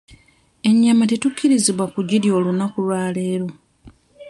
Ennyama tetukkirizibwa kugirya olunaku lwa leero.